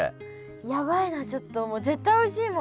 やばいなちょっともう絶対おいしいもん。